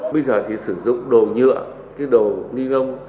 bây giờ thì sử dụng đồ nhựa cái đồ ni lông